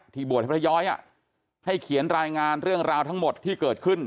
บวชให้พระย้อยให้เขียนรายงานเรื่องราวทั้งหมดที่เกิดขึ้น